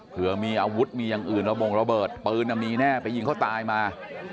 เผื่อมีอาวุธมีอย่างอื่นระบงระเบิดปืนมีแน่ไปยิงเขาตายมา